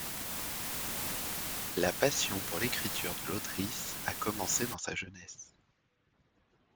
La passion pour l’écriture de l’autrice a commencé dans sa jeunesse.